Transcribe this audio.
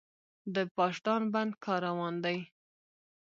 د پاشدان بند کار روان دی؟